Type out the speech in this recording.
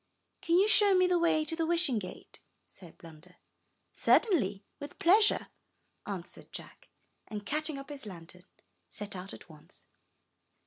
''Can you show me the way to the Wishing Gate?" said Blunder. ''Certainly, with pleasure," answered Jack, and, catching up his lantern, set out at once.